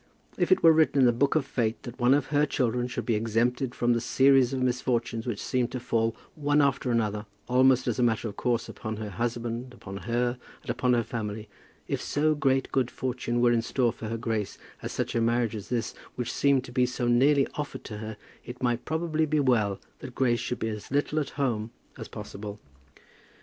If it were written in the book of fate that one of her children should be exempted from the series of misfortunes which seemed to fall, one after another, almost as a matter of course, upon her husband, upon her, and upon her family; if so great good fortune were in store for her Grace as such a marriage as this which seemed to be so nearly offered to her, it might probably be well that Grace should be as little at home as possible.